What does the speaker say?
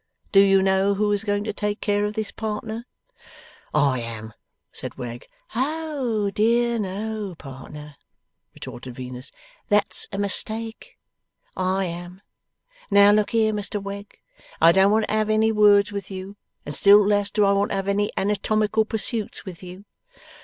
Do you know who is going to take care of this, partner?' 'I am,' said Wegg. 'Oh dear no, partner,' retorted Venus. 'That's a mistake. I am. Now look here, Mr Wegg. I don't want to have any words with you, and still less do I want to have any anatomical pursuits with you.